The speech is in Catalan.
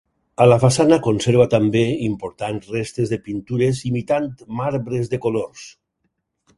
A la façana conserva també, importants restes de pintures imitant marbres de colors.